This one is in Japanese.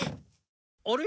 あれ？